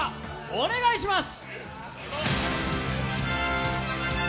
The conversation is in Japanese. お願いします！